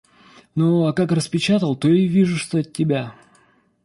Ну, а как распечатал, то и вижу, что от тебя.